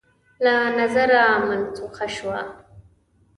له نظره منسوخه شوه